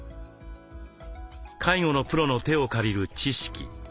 介護のプロの手を借りる知識。